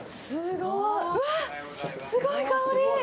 すごい香り。